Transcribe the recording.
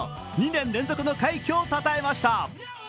２年連続の快挙をたたえました。